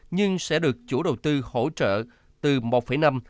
nhưng sẽ được chủ đầu tư hỗ trợ từ một năm đến năm lần